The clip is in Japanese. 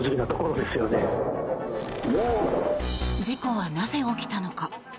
事故はなぜ起きたのか。